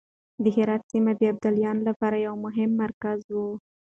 د هرات سيمه د ابدالیانو لپاره يو مهم مرکز و.